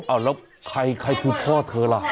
เอาแล้วใครคือพ่อเธอล่ะ